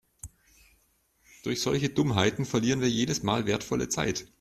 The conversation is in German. Durch solche Dummheiten verlieren wir jedes Mal wertvolle Zeit.